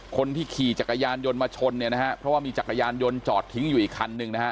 คนที่ขี่จักรยานยนต์มาชนเนี่ยนะฮะเพราะว่ามีจักรยานยนต์จอดทิ้งอยู่อีกคันหนึ่งนะฮะ